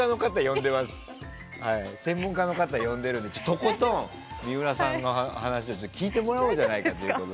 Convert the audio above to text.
専門家の方を呼んでるのでとことん、水卜さんの話を聞いてもらおうじゃないかと。